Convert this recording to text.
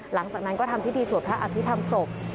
หลังจากนั้นก็ทำพิธีสวดพระอภิษฐรรมศพ